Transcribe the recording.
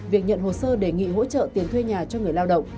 việc nhận hồ sơ đề nghị hỗ trợ tiền thuê nhà cho người lao động